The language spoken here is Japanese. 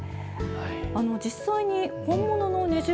実際に本物のねじ